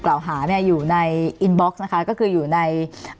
เบาหาอยู่ในอินบล็อคสนะคะก็คืออยู่ใน